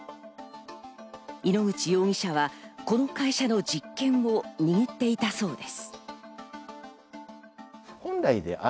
井ノ口容疑者はこの会社の実権を握っていたそうです。